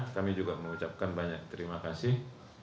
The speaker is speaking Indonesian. kami juga mengucapkan banyak terima kasih